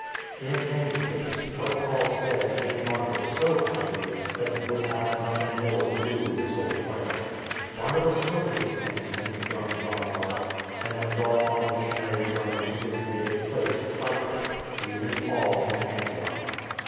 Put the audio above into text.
In any case, what Paul said made Barnabas so angry that he would have nothing more to do with his old friend. Barnabas took his kinsman, young John 164 FINDING A SON 165 Mark, and went off on a missionary journey to his native place, Cyprus, leaving Paul in Antioch.